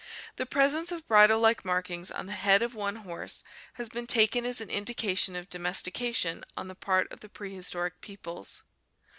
The presence of bridle like markings on the head of one horse has been taken as an indication of domestication on the part of the prehistoric peoples.